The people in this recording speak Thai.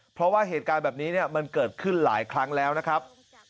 เพราะว่าเหตุการณ์แบบนี้มันเกิดขึ้นหลายครั้งแล้วนะครับ